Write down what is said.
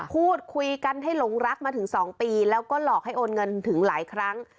พูดคุยกันให้หลงรักมาถึง๒ปีแล้วก็หลอกให้โอนเงินถึงหลายครั้ง